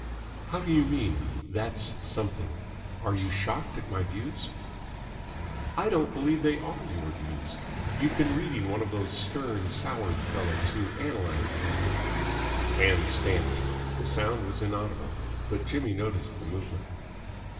"How do you mean that's something? Are you shocked at my views?" "I don't believe they are your views. You've been reading one of these stern, soured fellows who analyse things." Ann stamped. The sound was inaudible, but Jimmy noticed the movement.